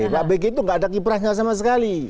pak bg itu tidak ada kiprahnya sama sekali